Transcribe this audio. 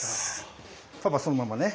パパそのままね。